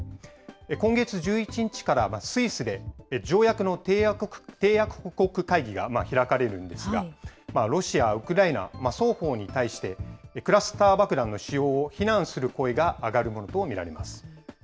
今月１１日からスイスで、条約の締約国会議が開かれるんですが、ロシア、ウクライナ双方に対して、クラスター爆弾の使用を非難する声が上がるものと見られます。